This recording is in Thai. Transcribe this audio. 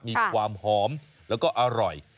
มีความหอมแล้วก็อร่อย